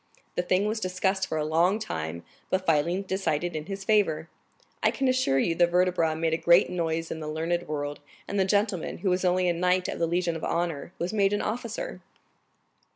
The thing was discussed for a long time, but finally decided in his favor. I can assure you the vertebra made a great noise in the learned world, and the gentleman, who was only a knight of the Legion of Honor, was made an officer."